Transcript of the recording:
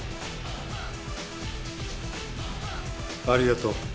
ありがとう。